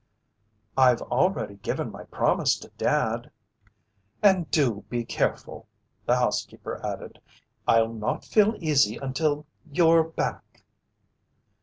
"I've already given my promise to Dad." "And do be careful," the housekeeper added. "I'll not feel easy until you're back."